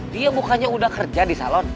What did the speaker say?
dia bukannya udah kerja di salon